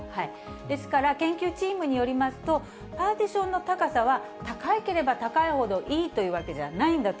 ですから、研究チームによりますと、パーティションの高さは、高ければ高いほどいいというわけじゃないんだと。